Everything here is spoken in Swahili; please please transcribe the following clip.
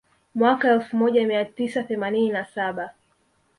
Mwaka elfu moja mia tisa themanini na saba